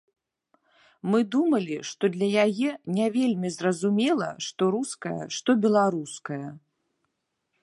Мы думалі, што для яе не вельмі зразумела, што руская, што беларуская.